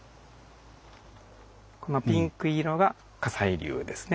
このピンク色が火砕流ですね。